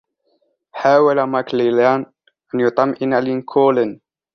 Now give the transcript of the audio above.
حاول ماكليلان أن يطمئن لينكولن.